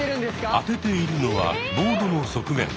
当てているのはボードの側面。